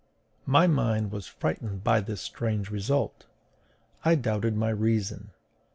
My mind was frightened by this strange result: I doubted my reason.